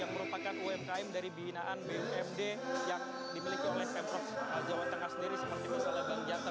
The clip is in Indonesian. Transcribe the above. yang merupakan umkm dari binaan bumd yang dimiliki oleh pemprov jawa tengah sendiri seperti misalnya bang jantan